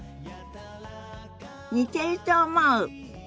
似てると思う。